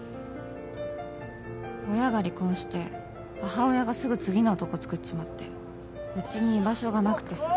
親が離婚して母親がすぐ次の男つくっちまってうちに居場所がなくてさ。